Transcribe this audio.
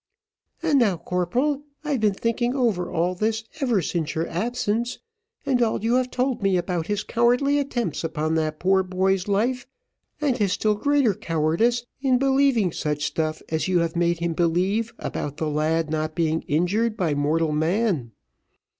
"And now, corporal, I've been thinking over all this ever since your absence, and all you have told me about his cowardly attempts upon that poor boy's life, and his still greater cowardice in believing such stuff as you have made him believe about the lad not being injured by mortal man.